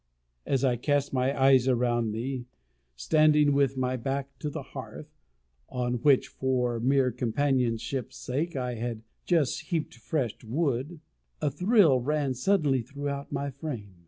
As I cast my eyes around me, standing with my back to the hearth (on which, for mere companionship's sake, I had just heaped fresh wood), a thrill ran suddenly throughout my frame.